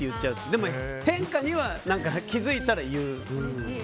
でも変化には気づいたら言う。